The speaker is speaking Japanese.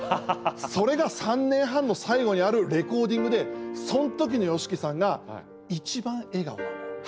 それが３年半の最後にあるレコーディングでその時のＹＯＳＨＩＫＩさんが一番、笑顔なのよ。